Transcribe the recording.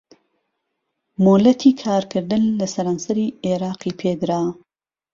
مۆلەتی کارکردن لە سەرانسەری عێراقی پێدرا